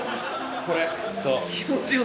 これ。